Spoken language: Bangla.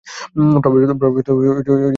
প্রবেশপথ খুলে গেছে প্রায়।